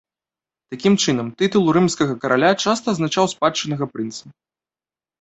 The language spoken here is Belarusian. Такім чынам, тытул рымскага караля часта азначаў спадчыннага прынца.